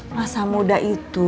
masa muda itu